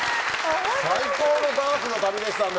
最高のダーツの旅でしたね。